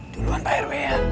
duluan pak rw ya